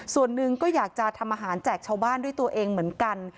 ส่วนหนึ่งก็อยากจะทำอาหารแจกชาวบ้านด้วยตัวเองเหมือนกัน